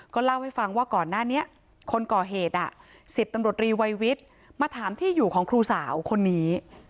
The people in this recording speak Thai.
เล่าให้ฟังว่าก่อนหน้านี้คนก่อเหตุ๑๐ตำรวจรีวัยวิทย์มาถามที่อยู่ของครูสาวคนนี้